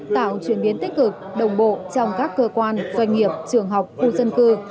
tạo chuyển biến tích cực đồng bộ trong các cơ quan doanh nghiệp trường học khu dân cư